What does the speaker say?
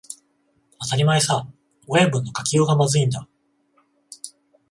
当たり前さ、親分の書きようがまずいんだ